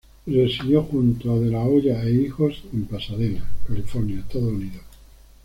Residió junto a De La Hoya e hijos en Pasadena, California, Estados Unidos.